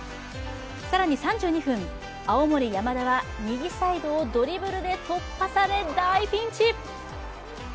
更に３２分青森山田は右サイドをドリブルで突破され大ピンチ。